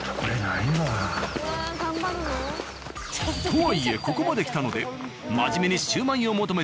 とはいえここまで来たので真面目に。